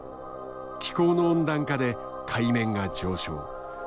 気候の温暖化で海面が上昇。